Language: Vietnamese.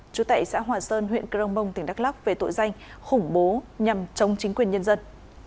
chú tại xã hòa sơn huyện crong bông tỉnh đắk lắc về tội danh khủng bố nhằm chống chính quyền nhân dân